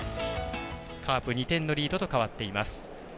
カープ、２点のリードと変わっています。